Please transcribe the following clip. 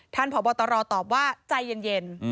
ท่านผอบตรตอบว่าใจเย็น